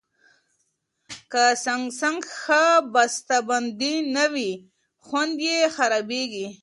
که سنکس ښه بستهبندي نه وي، خوند یې خرابېږي.